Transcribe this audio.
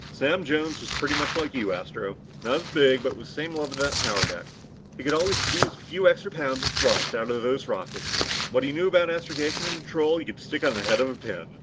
"Sam Jones was pretty much like you, Astro. Not as big, but with the same love for that power deck. He could always squeeze a few extra pounds of thrust out of those rockets. What he knew about astrogation and control, you could stick on the head of a pin.